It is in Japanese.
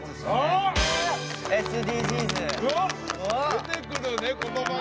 出てくるね言葉が。